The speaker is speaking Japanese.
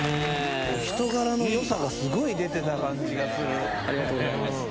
人柄のよさがすごい出てた感ありがとうございます。